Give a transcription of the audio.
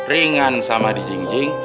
ringan sama dijingjing